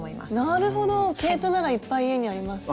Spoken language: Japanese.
なるほど毛糸ならいっぱい家にあります。